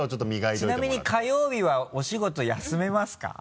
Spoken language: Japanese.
ちなみに火曜日はお仕事休めますか？